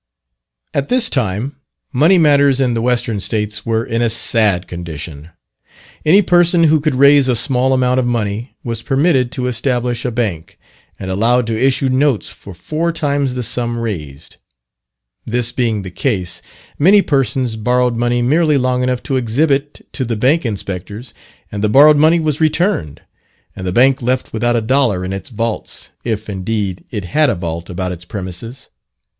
At this time, money matters in the Western States were in a sad condition. Any person who could raise a small amount of money was permitted to establish a bank, and allowed to issue notes for four times the sum raised. This being the case, many persons borrowed money merely long enough to exhibit to the bank inspectors, and the borrowed money was returned, and the bank left without a dollar in its vaults, if, indeed, it had a vault about its premises.